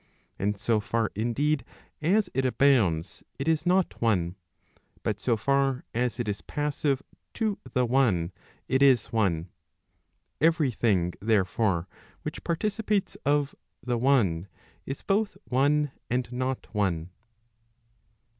And so far indeed as it abounds, it is not one, but so far as it is passive [to the one] it is one. Every thing, therefore, which participates of the one, is both one, and not one.